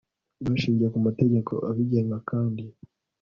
bashingiye ku mategeko abigenga kandi